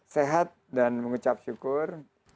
sehat dan mengucap syukur